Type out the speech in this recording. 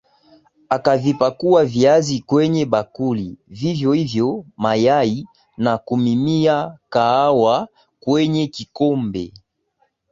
Akavipakua viazi kwenye bakuli. Vivyo hivyo, mayai. Na, kumiminia kahawa kwenye kikombe.